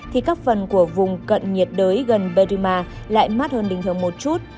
thì các phần của vùng cận nhiệt đới gần beruma lại mát hơn bình thường một chút